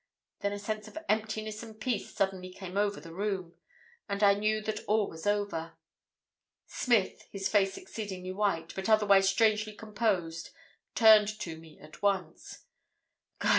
Then a sense of emptiness and peace suddenly came over the room, and I knew that all was over. "Smith, his face exceedingly white, but otherwise strangely composed, turned to me at once. "'God!